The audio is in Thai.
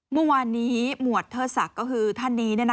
เมื่อวานนี้หมวดเทิดศักดิ์ก็คือท่านนี้